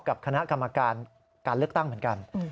กับคณะกรรมการการเลือกตั้งเหมือนกัน